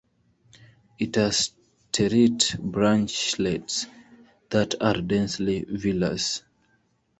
It has terete branchlets that are densely villous.